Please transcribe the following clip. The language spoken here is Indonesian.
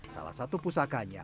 salah satu pusakanya